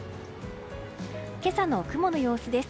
今朝の雲の様子です。